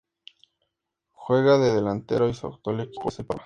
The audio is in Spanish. Juega de delantero y su actual equipo es el Parma.